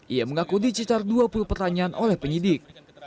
ia mengaku dicitar dua puluh pertanyaan oleh penyidik